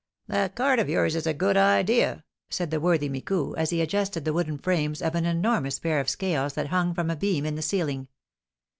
"That cart of yours is a good idea," said the worthy Micou, as he adjusted the wooden frames of an enormous pair of scales that hung from a beam in the ceiling.